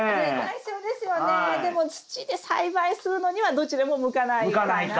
でも土で栽培するのにはどちらも向かないかな。